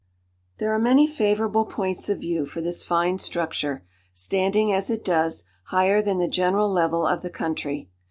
There are many favourable points of view for this fine structure, standing, as it does, higher than the general level of the country.